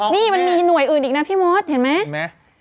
นี่มันมีหน่วยอื่นอีกนะพี่มอสเห็นไหม